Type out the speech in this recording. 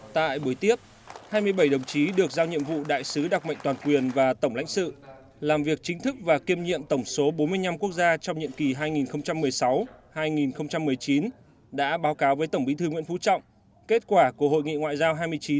tại buổi tiếp hai mươi bảy đồng chí được giao nhiệm vụ đại sứ đặc mệnh toàn quyền và tổng lãnh sự làm việc chính thức và kiêm nhiệm tổng số bốn mươi năm quốc gia trong nhiệm kỳ hai nghìn một mươi sáu hai nghìn một mươi chín đã báo cáo với tổng bí thư nguyễn phú trọng kết quả của hội nghị ngoại giao hai mươi chín